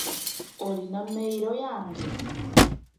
OIina mmeyiro yange?